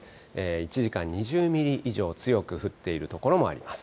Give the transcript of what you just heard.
１時間に２０ミリ以上、強く降っている所もあります。